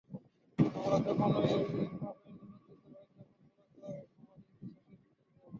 আমরা যখনই পাপে নিমজ্জিত হই, তখনই মূলত আমাদের বিশ্বাসের মৃত্যু ঘটে।